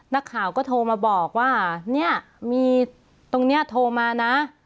นักข่าวก็โทรมาบอกว่าเนี่ยมีตรงนี้โทรมานะ